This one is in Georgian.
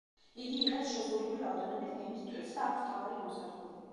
იგი იღებს შეზღუდული რაოდენობით გემის ტვირთს და აქვს მთავარი ნავსადგური.